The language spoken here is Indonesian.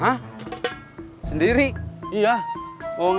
karena aku berkembang